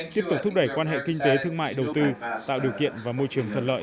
tiếp tục thúc đẩy quan hệ kinh tế thương mại đầu tư tạo điều kiện và môi trường thuận lợi